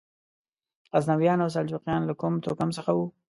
غزنویان او سلجوقیان له کوم توکم څخه وو؟